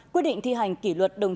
hai quy định thi hành kỷ luật